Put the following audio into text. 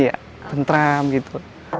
iya bentram gitu